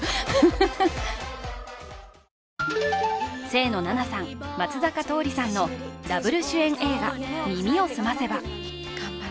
清野菜名さん、松坂桃李さんのダブル主演映画「耳をすませば」。